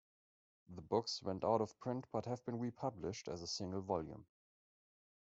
The books went out of print but have been republished as a single volume.